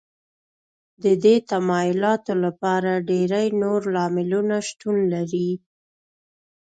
د دې تمایلاتو لپاره ډېری نور لاملونو شتون لري